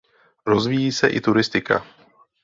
Rozvíjí se i turistika.